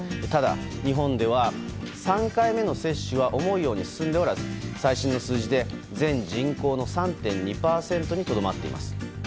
ただ、日本では３回目の接種は思うように進んでおらず最新の数字で全人口の３．２％にとどまっています。